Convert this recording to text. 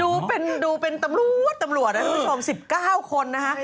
ดูเป็นตำรวจตำรวจนะคุณผู้ชม๑๙คนนะคะ